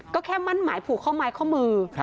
ก็แค่มั่นหมายผูกข้อไม้ข้อมือ